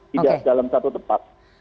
tidak dalam satu tempat